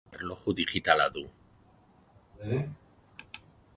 Erloju digitala du.